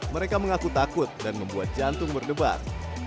mereka mengaku takut dan membuat jantung berdebar